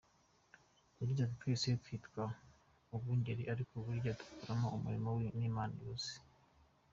Yagize ati “Twese twitwa abungeri ariko uburyo dukoramo umurimo ni Imana ibuzi.